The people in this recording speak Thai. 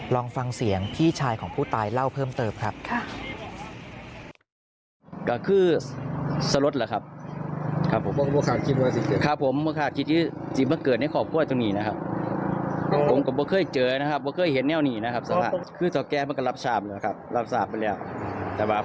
ลองฟังเสียงพี่ชายของผู้ตายเล่าเพิ่มเติมครับ